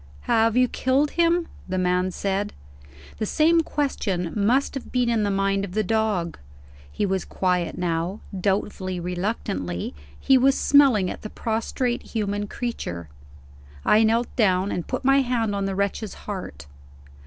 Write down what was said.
"Have you killed him?" the man said. The same question must have been in the mind of the dog. He was quiet now. Doubtfully, reluctantly, he was smelling at the prostrate human creature. I knelt down, and put my hand on the wretch's heart.